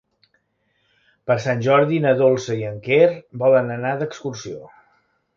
Per Sant Jordi na Dolça i en Quer volen anar d'excursió.